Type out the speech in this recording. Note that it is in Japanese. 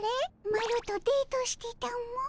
マロとデートしてたも。